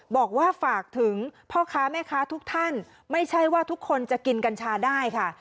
บอกว่าฝากถึงพ่อค้าแม่ค้าทุกท่านไม่ใช่ว่าทุกคนจะกินกัญชาได้ค่ะ